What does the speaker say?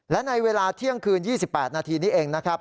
และในเวลาเที่ยงคืน๒๘นาทีนี้เองนะครับ